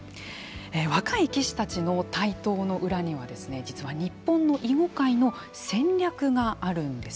若い棋士たちの台頭の裏には実は日本の囲碁界の戦略があるんです。